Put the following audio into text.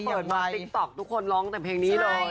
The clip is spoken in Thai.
เกิดมาติ๊กต๊อกทุกคนร้องแต่เพลงนี้เลย